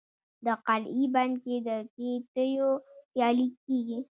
د قرغې بند کې د کښتیو سیالي کیږي.